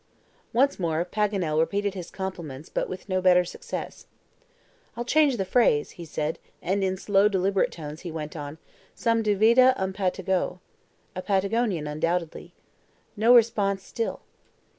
Once more Paganel repeated his compliment, but with no better success. "I'll change the phrase," he said; and in slow, deliberate tones he went on, "Sam duvida um Patagao" (A Patagonian, undoubtedly). No response still.